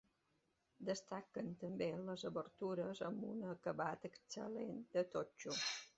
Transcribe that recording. Destaquen també les obertures amb un acabat excel·lent de totxo.